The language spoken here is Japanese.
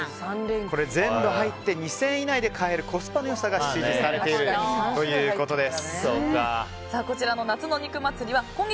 全部入って２０００円以内で買えるコスパの良さが支持されているということです。